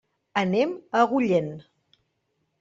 Anem a Agullent.